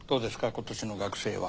今年の学生は。